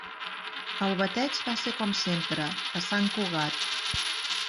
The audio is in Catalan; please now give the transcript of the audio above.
El bateig va ser com sempre: a Sant Cugat